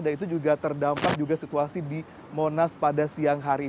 dan itu juga terdampak juga situasi di monas pada siang hari